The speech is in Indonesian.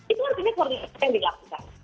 itu artinya koordinasi yang dilakukan